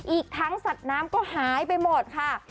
อีกทั้งสัตว์น้ำก็หายไปหมดค่ะ